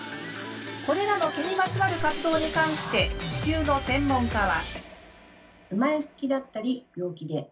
これらの毛にまつわる活動に関して地球の専門家は。